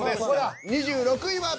２６位は。